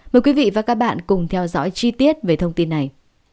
mời quý vị và các bạn cùng theo dõi chi tiết về thông tin này